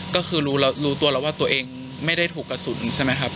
ก็คือรู้ตัวแล้วว่าตัวเองไม่ได้ถูกกระสุนใช่ไหมครับ